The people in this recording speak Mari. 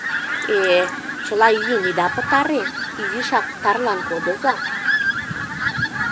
Э-э, чыла йӱын ида пытаре, изишак тарлан кодыза.